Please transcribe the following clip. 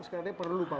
sekarang perlu pak